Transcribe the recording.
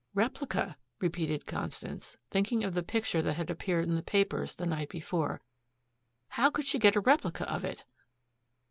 "Replica?" repeated Constance, thinking of the picture that had appeared in the papers the night before. "How could she get a replica of it?"